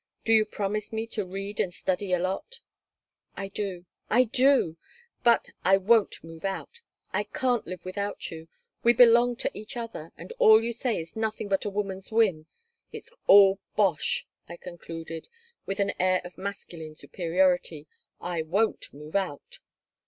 Do you promise me to read and study a lot?" "I do. I do. But I won't move out. I can't live without you. We belong to each other, and all you say is nothing but a woman's whim. It's all bosh," I concluded, with an air of masculine superiority. "I won't move out."